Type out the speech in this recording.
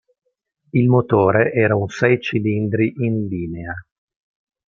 Il motore era un sei cilindri in linea.